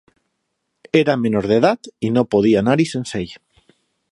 Era menor d"edat i no podia anar-hi sense ell.